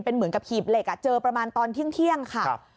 เป็นเหมือนกับหีบเหล็กเจอประมาณตอนเที่ยงค่ะ